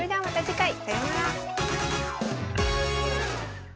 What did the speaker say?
さようなら。